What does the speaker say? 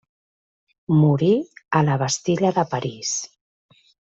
Morí a la Bastilla de París.